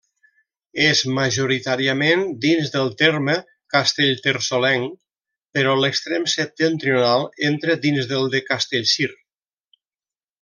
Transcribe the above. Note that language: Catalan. És majoritàriament dins del terme castellterçolenc, però l'extrem septentrional entra dins del de Castellcir.